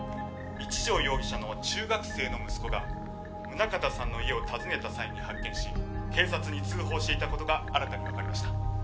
一条容疑者の中学生の息子が宗像さんの家を訪ねた際に発見し警察に通報していた事が新たにわかりました」